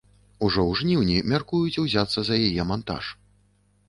Ужо ў жніўні мяркуюць узяцца за яе мантаж.